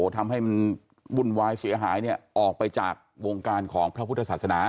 ทำให้มันวุ่นวายเสียหายออกไปจากวงการของพระพุทธศาสนา